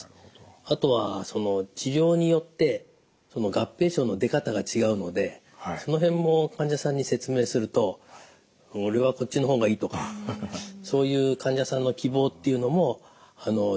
あとはその治療によって合併症の出方が違うのでその辺も患者さんに説明すると「俺はこっちの方がいい」とかそういう患者さんの希望っていうのも重要な要素になりますね。